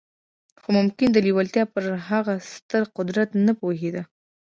خو ممکن د لېوالتیا پر هغه ستر قدرت نه پوهېده